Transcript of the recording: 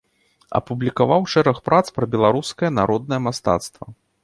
Апублікаваў шэраг прац пра беларускае народнае мастацтва.